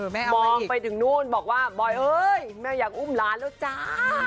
มองไปถึงนู่นบอกว่าบอยเอ้ยแม่อยากอุ้มหลานแล้วจ้า